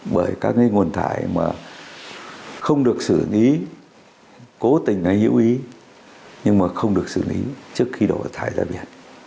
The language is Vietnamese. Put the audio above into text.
bởi các nguồn thải mà không được xử lý cố tình hay hữu ý nhưng mà không được xử lý trước khi đổ thải ra biển